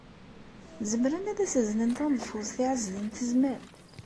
Zemren ad as-aznen taneḍfust i Ɛezdin n Tezmalt?